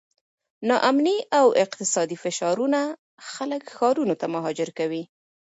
ناامني او اقتصادي فشارونه خلک ښارونو ته مهاجر کوي.